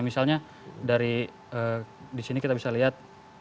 misalnya dari disini kita bisa lihat